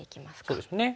そうですね。